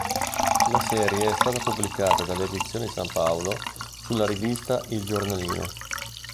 La serie è stata pubblicata dalle Edizioni San Paolo sulla rivista Il Giornalino.